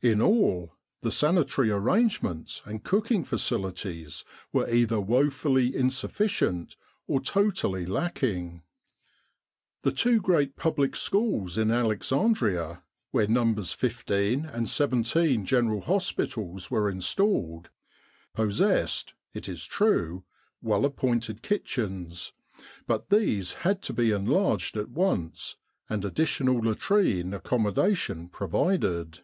In all, the sanitary arrangements and cooking facilities were either woefully insufficient, or totally lacking. The two great public schools in Alexandria, where Nos. 15 and 17 General Hospitals were in stalled, possessed, it is true, well appointed kitchens, 30 Egypt and the Great War but these had to be enlarged at once and additional latrine accommodation provided.